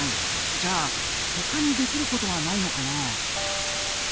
じゃあ他にできることはないのかな？